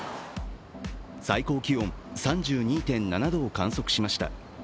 最高気温３２．７度を観測しました。